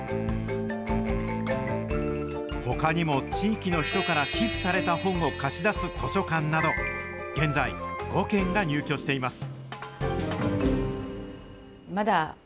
ほかにも地域の人から寄付された本を貸し出す図書館など、現在、５軒が入居しています。